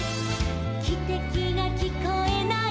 「きてきがきこえない」